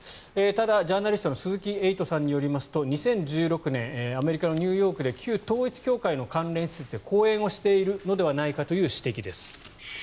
ただ、ジャーナリストの鈴木エイトさんによりますと２０１６年アメリカのニューヨークで旧統一教会の関連施設で講演をしているのではないかという指摘です。